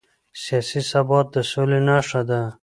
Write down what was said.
سیاسي ثبات د سولې نښه ده